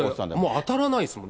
当たらないですもん。